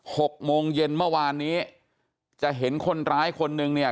หกโมงเย็นเมื่อวานนี้จะเห็นคนร้ายคนนึงเนี่ย